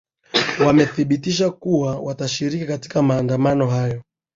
wamethibitisha kuwa watashiriki katika maandamano hayo